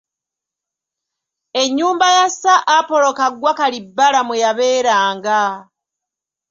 Ennyumba ya Sir Apollo Kaggwa Kalibbala mwe yabeeranga.